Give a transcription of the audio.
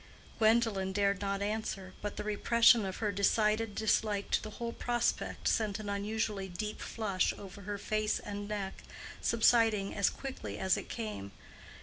Gwendolen dared not answer, but the repression of her decided dislike to the whole prospect sent an unusually deep flush over her face and neck, subsiding as quickly as it came.